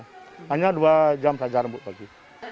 hanya dua jam saja rambut pagi